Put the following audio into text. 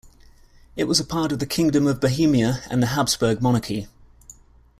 It was a part of the Kingdom of Bohemia and the Habsburg Monarchy.